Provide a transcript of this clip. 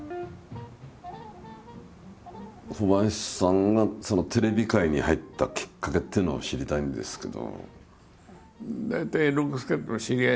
小林さんがテレビ界に入ったきっかけっていうのを知りたいんですけど。